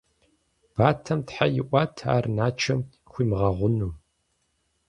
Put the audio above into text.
Батэм тхьэ иӀуат ар Начом хуимыгъэгъуну.